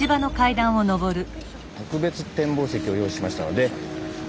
特別展望席を用意しましたので。